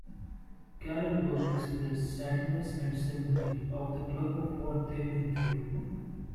Kahlenberg expressed sadness and sympathy of the club of what they been through.